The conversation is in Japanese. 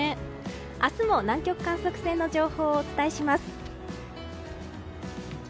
明日も南極観測船の情報をお伝えします。